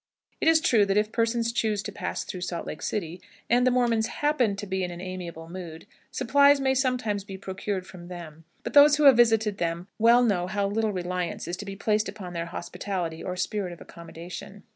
It is true that if persons choose to pass through Salt Lake City, and the Mormons happen to be in an amiable mood, supplies may sometimes be procured from them; but those who have visited them well know how little reliance is to be placed upon their hospitality or spirit of accommodation.